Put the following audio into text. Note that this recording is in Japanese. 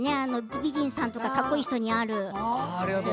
美人さんとかかっこいい人にある。